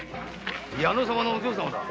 矢野様のお嬢様。